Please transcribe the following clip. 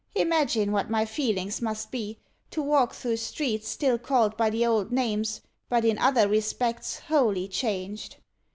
Imagine what my feelings must be, to walk through streets, still called by the old names, but in other respects wholly changed.